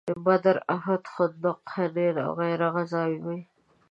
بدر، احد، خندق، حنین وغیره غزاوې وې.